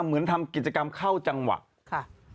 เหมือนทำกิจกรรมเข้าจังหวะค่ะ